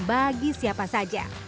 bagi siapa saja